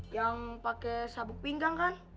yang pakai sabuk pinggang kan